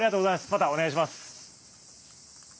またお願いします。